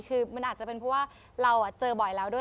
คือมันอาจจะเป็นเพราะว่าเราเจอบ่อยแล้วด้วย